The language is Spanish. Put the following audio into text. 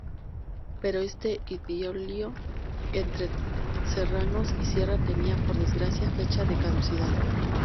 Pero este idilio entre serranos y sierra tenía, por desgracia, fecha de caducidad.